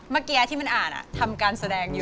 เมื่อกี้ที่มันอ่านทำการแสดงอยู่